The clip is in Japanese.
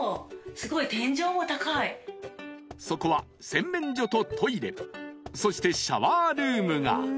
［そこは洗面所とトイレそしてシャワールームが］